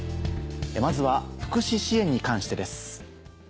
まずは福祉支援に関してです。